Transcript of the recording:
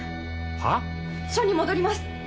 はぁ⁉署に戻ります。